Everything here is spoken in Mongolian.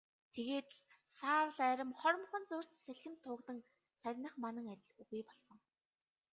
Тэгээд л саарал арми хоромхон зуурт салхинд туугдан сарних манан адил үгүй болсон.